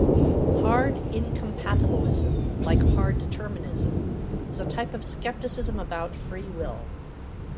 Hard incompatibilism, like hard determinism, is a type of skepticism about free will.